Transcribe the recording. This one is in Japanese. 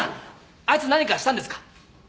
あいつ何かしたんですか？